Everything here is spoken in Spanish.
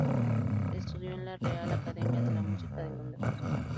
Estudió en la Real Academia de la Música en Londres.